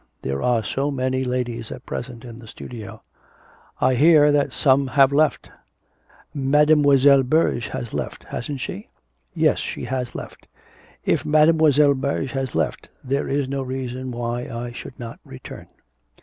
There are so many ladies at present in the studio.' 'I hear that some have left? ... Madlle. Berge has left, hasn't she?' 'Yes, she has left.' 'If Madlle. Berge has left, there is no reason why I should not return.'